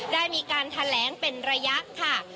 ได้มีการแถลงเป็นระยะค่ะ